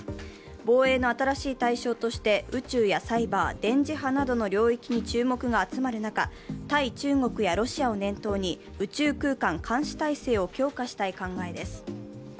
防衛の新しい対象として、宇宙やサイバー、電磁波などの領域に注目が集まる中、対中国やロシアを年頭に宇宙空間監視体制を強化したい考えです。